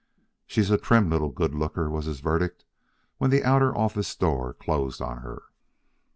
"She's a trim little good looker," was his verdict, when the outer office door closed on her.